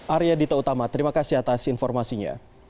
arya dita utama terima kasih atas informasinya